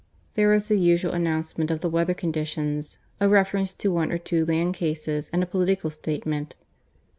There was the usual announcement of the weather conditions, a reference to one or two land cases, and a political statement.